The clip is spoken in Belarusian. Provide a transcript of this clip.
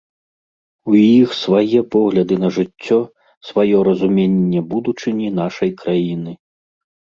У іх свае погляды на жыццё, сваё разуменне будучыні нашай краіны.